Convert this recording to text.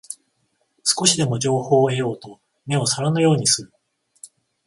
少しでも情報を得ようと目を皿のようにする